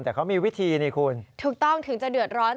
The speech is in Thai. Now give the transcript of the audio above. แต่เขามีวิธีนี่คุณถูกต้องถึงจะเดือดร้อน